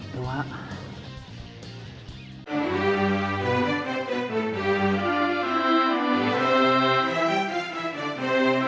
ดูนะครับพี่แกะครับ